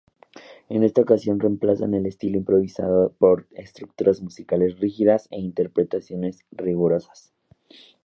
En esta ocasión reemplazan el estilo improvisado por estructuras musicales rígidas e interpretaciones rigurosas.